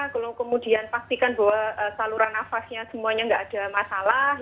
kemudian pastikan bahwa saluran nafasnya semuanya tidak ada masalah